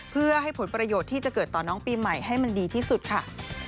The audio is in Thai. เพื่อให้ผลประโยชน์ที่จะเกิดต่อน้องปีใหม่ให้มันดีที่สุดค่ะ